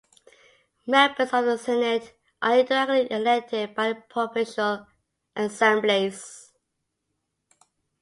Members of the Senate are indirectly elected by the provincial assemblies.